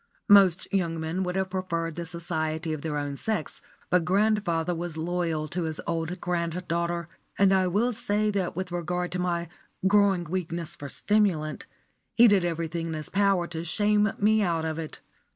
Most young men would have chosen the society of their own sex, but grandfather was loyal to his old granddaughter; and I will say that with regard to my growing weakness for stimulant, he did everything in his power to shame me out of it.